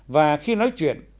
và khi nói chuyện